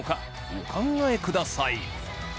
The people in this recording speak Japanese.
お考えください